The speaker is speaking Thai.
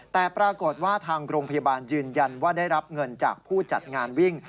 แต่ปรากฏว่าทางโรงพยาบาลยืนยันว่าได้รับเงินจากผู้จัดงานวิ่ง